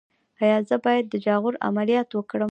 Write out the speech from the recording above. ایا زه باید د جاغور عملیات وکړم؟